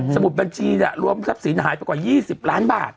มุดบัญชีรวมทรัพย์สินหายไปกว่า๒๐ล้านบาท